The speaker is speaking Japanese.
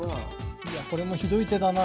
いやこれもひどい手だな。